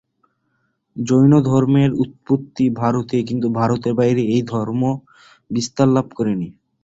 জৈনধর্মের উৎপত্তি ভারতে কিন্তু ভারতের বাইরে এই ধর্ম বিস্তারলাভ করেনি।